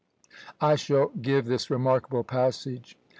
I shall give this remarkable passage.